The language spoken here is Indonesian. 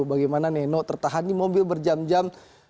bagaimana neno tertahan di mobil berjam jam